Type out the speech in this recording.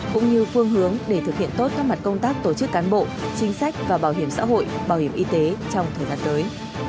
cũng như phương hướng để thực hiện tốt các mặt công tác tổ chức cán bộ chính sách và bảo hiểm xã hội bảo hiểm y tế trong thời gian tới